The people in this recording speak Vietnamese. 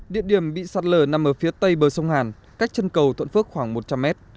địa điểm bị sạt lở nằm ở phía tây bờ sông hàn cách chân cầu thuận phước khoảng một trăm linh mét